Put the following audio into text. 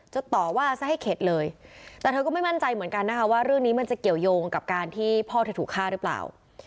ต่อว่าซะให้เข็ดเลยแต่เธอก็ไม่มั่นใจเหมือนกันนะคะว่าเรื่องนี้มันจะเกี่ยวยงกับการที่พ่อเธอถูกฆ่าหรือเปล่า